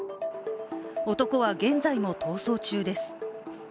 男は現在も逃走中です。